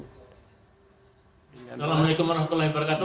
assalamualaikum wr wb